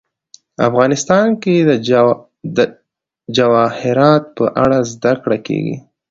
افغانستان کې د جواهرات په اړه زده کړه کېږي.